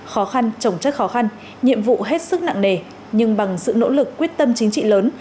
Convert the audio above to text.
khó khăn trồng chất khó khăn nhiệm vụ hết sức nặng nề nhưng bằng sự nỗ lực quyết tâm chính trị lớn